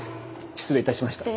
失礼いたしました。